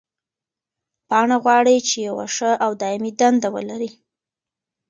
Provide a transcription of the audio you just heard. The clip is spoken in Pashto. پاڼه غواړي چې یوه ښه او دایمي دنده ولري.